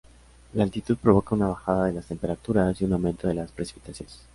La altitud provoca una bajada de las temperaturas y un aumento de las precipitaciones.